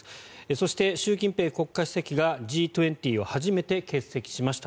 そして、習近平国家主席がＧ２０を初めて欠席しました。